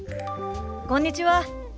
こんにちは。